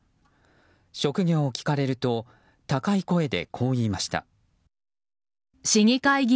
職業を聞かれると高い声でこう言いました。